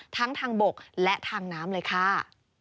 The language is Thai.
ทั้งทางบกและทางน้ำเลยค่ะ